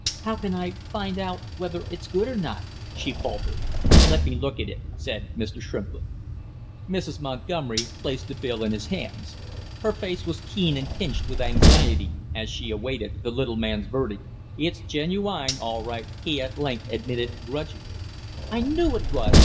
"How can I find out whether it's good or not?" she faltered. "Let me look at it!" said Mr. Shrimplin. Mrs. Montgomery placed the bill in his hands. Her face was keen and pinched with anxiety as she awaited the little man's verdict. "It's genu ine all right," he at length admitted grudgingly. "I knew it was!"